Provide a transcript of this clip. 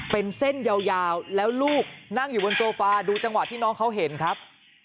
เป็นเส้นยาวแล้วลูกนั่งอยู่บนโซฟาดูจังหวะที่น้องเขาเห็นครับ